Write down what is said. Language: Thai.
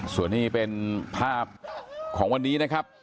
ส่วนนี้เป็นภาพของวันนี้นะครับ